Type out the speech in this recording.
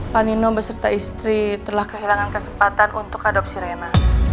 panino beserta istri telah kehilangan kesempatan untuk mengadopsi rena